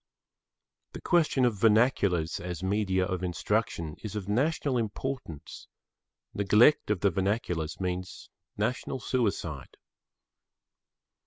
The question of vernaculars as media of instruction is of national importance; neglect of the vernaculars means national suicide.